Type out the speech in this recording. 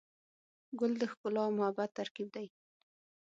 ګل د ښکلا او محبت ترکیب دی.